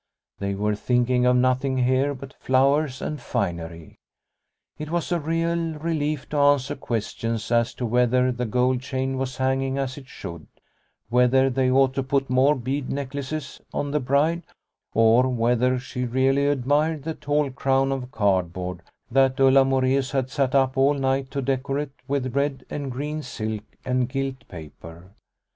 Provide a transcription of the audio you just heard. They were thinking of nothing here but flowers and finery. It was a real relief to answer ques tions as to whether the gold chain was hanging as it should, whether they ought to put more bead necklaces on the bride, or whether she really admired the tall crown of cardboard that Ulla Moreus had sat up all night to decorate with red and green silk and gilt paper.